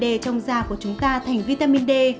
d trong da của chúng ta thành vitamin d